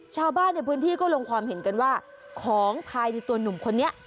ชาวบ้านในพื้นที่ก็ลงความเห็นกันว่าของภายในตัวหนุ่มคนนี้